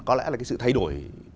có lẽ là sự thay đổi